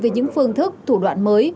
về những phương thức thủ đoạn mới